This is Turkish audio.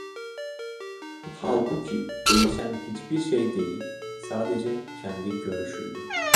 Halbuki değişen hiçbir şey değil, sadece kendi görüşüydü.